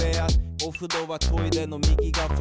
おふろはトイレの右がわ。